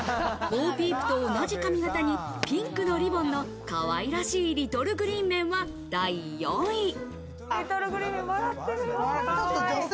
ボー・ピープと同じ髪形にピンクのリボンの可愛らしいリトル・グリーン・メンは第４位。